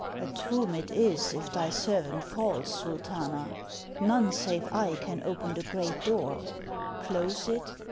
"A tomb it is if thy servant falls, Sultana. None save I can open the great door. Close it?